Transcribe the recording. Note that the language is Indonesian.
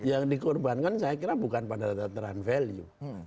yang dikorbankan saya kira bukan pada tataran value